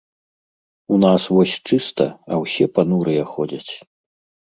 У нас вось чыста, а ўсе панурыя ходзяць.